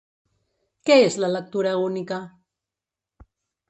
Què és la lectura única?